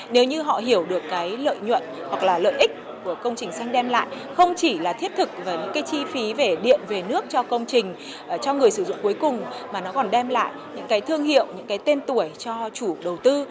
nếu như họ hiểu được cái lợi nhuận hoặc là lợi ích của công trình xanh đem lại không chỉ là thiết thực và những cái chi phí về điện về nước cho công trình cho người sử dụng cuối cùng mà nó còn đem lại những cái thương hiệu những cái tên tuổi cho chủ đầu tư